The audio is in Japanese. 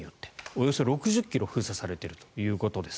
およそ６０ｋｍ封鎖されているということです。